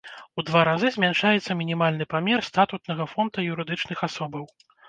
У два разы змяншаецца мінімальны памер статутнага фонда юрыдычных асобаў.